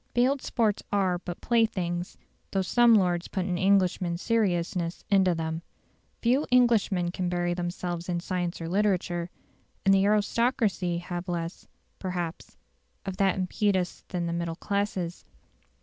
Field sports are but playthings, though some lords put an Englishman's seriousness into them. Few Englishmen can bury themselves in science or literature; and the aristocracy have less, perhaps, of that impetus than the middle classes.